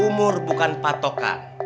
umur bukan patokan